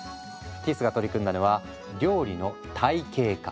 ティスが取り組んだのは料理の体系化。